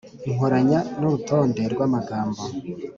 inkoranya n'urutonde rw'amagambo